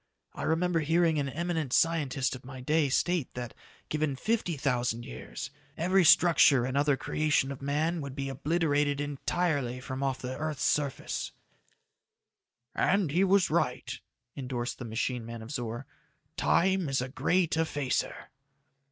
"I remember hearing an eminent scientist of my day state that, given fifty thousand years, every structure and other creation of man would be obliterated entirely from off the earth's surface." "And he was right," endorsed the machine man of Zor. "Time is a great effacer."